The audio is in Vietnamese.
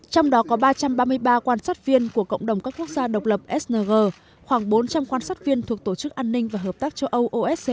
trong đó có ba trăm ba mươi ba quan sát viên của cộng đồng các quốc gia độc lập sg khoảng bốn trăm linh quan sát viên thuộc tổ chức an ninh và hợp tác châu âu